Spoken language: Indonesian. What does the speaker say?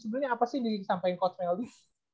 sebenernya apa sih disampaikan coach meldy